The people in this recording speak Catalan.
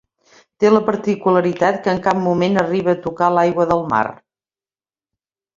Té la particularitat què en cap moment arriba a tocar l'aigua del mar.